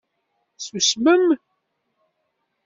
Tusmem.